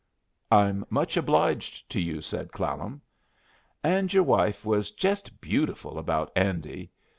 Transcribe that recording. "I'm much obliged to you," said Clallam. "And your wife was jest beautiful about Andy.